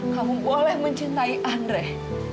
kamu boleh mencintai andrei